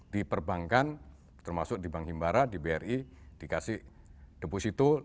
di perbankan termasuk di bank himbara di bri dikasih deposito